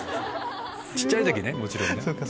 小っちゃい時ねもちろん。